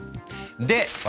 で私